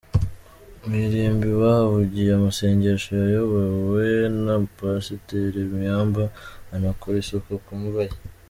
Mu irimbi, bahavugiye amasengesho yayobowe na Pasiteri Miyamba banakora isuku ku mva ye.